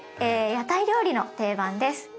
屋台料理の定番です。